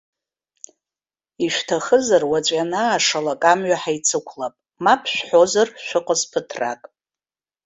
Ишәҭахызар, уаҵәы ианаашалак амҩа ҳаицықәлап, мап шәҳәозар, шәыҟаз ԥыҭрак.